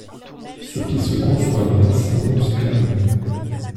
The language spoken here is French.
Ce qui se conçoit bien s’énonce clairement.